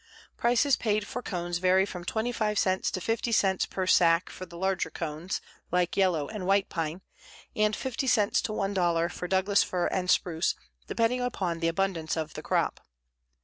The prices paid for cones vary from 25 cents to 50 cents per sack for the larger cones, like yellow and white pine, and 50 cents to $1.00 for Douglas fir and spruce, depending upon the abundance of the crop.